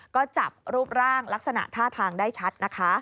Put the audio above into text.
ก็จับรูปร่างลักษณะท่าทางได้ชัดนะคะ